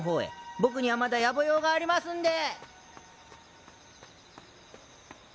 僕にはまだやぼ用がありますんで！